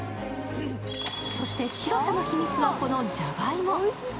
そして、白さの秘密はこのじゃがいも。